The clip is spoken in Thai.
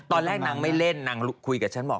ตอนแรกนางไม่เล่นนางคุยกับฉันบอก